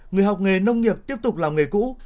người học nghề nông nghiệp tiếp tục làm nghề cũ